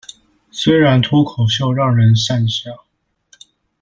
雖然脫口秀讓人訕笑